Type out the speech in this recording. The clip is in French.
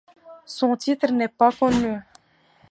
Son titre n'est pas connu.